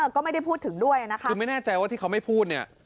ก็ไม่ได้พูดถึงด้วยนะคะคือไม่แน่ใจว่าที่เขาไม่พูดเนี่ย